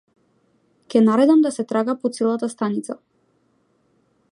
Ќе наредам да се трага по целата станица.